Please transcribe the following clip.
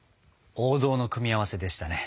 王道の組み合わせでしたね。